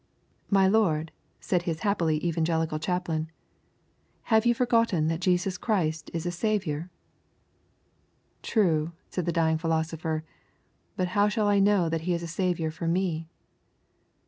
'My lord,' said his happily evangelical chaplain, 'have you forgotten that Jesus Christ is a Saviour?' 'True,' said the dying philosopher, 'but how shall I know that He is a Saviour for me?'